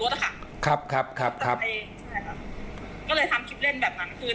แล้วก็ไม่ได้มีการบอกข้อมูลอะไรทั้งจิ้น